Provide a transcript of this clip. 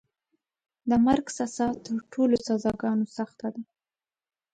د مرګ سزا تر ټولو سزاګانو سخته ده.